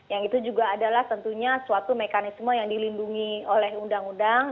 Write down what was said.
yang itu juga adalah tentunya suatu mekanisme yang dilindungi oleh undang undang